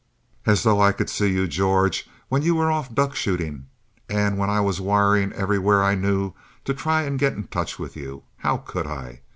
"As though I could see you, George, when you were off duck shooting and when I was wiring everywhere I knew to try to get in touch with you. How could I?